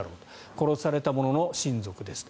殺された者の親族ですと。